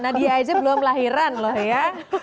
nadia aja belum lahiran loh ya